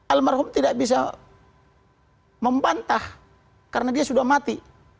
almarhum tidak bisa membantah karena dia sudah mati